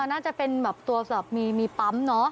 น่าจะเป็นแบบตัวแบบมีปั๊มเนอะ